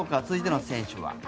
続いての選手は。